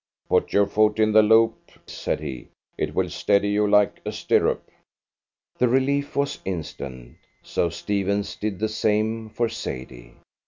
"Put your foot in the loop," said he. "It will steady you like a stirrup." The relief was instant, so Stephens did the same for Sadie.